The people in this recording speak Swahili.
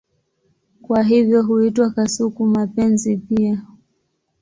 Kwa hivyo huitwa kasuku-mapenzi pia.